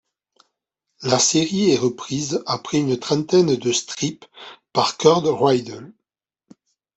La série est reprise après une trentaine de strips par Curd Ridel.